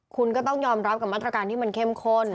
คุณก็ต้องยอมรับกับมาตรการที่มันเข้มข้น